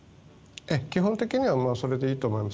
基本的にはそれでいいと思います。